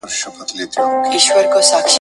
آزاد بحثونه څه ډول پايلي لري؟